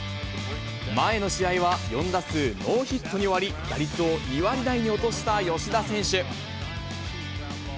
前の試合は４打数ノーヒットに終わり、打率を２割台に落とした吉田選手。